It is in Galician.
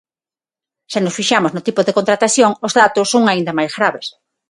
Se nos fixamos no tipo de contratación, os datos son aínda máis graves.